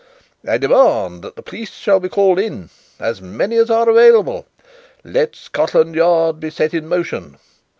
I demand that the police shall be called in as many as are available. Let Scotland Yard be set in motion.